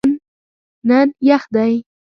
نن یخ دی